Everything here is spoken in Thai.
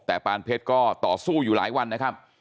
แต่ปานเพชรก็ต่อสู้อยู่หลายวันนะครับ